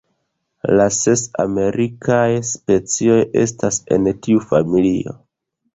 La ses amerikaj specioj estas en tiu familio.